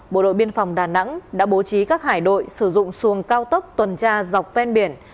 bộ đội biên phòng đà nẵng đã bố trí các hải đội sử dụng xuồng cao tốc tuần tra dọc ven biển